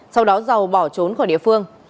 sau đó giàu bỏ trốn khỏi địa phương